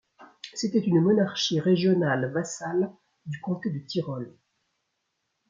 C'était une monarchie régionale vassale du Comté de Tyrol.